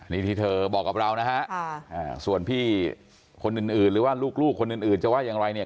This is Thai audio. นี่ที่เธอบอกกับเรานะฮะส่วนพี่คนอื่นหรือว่าลูกคนอื่นจะว่าอย่างไรเนี่ย